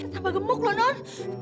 sampai gemuk lo non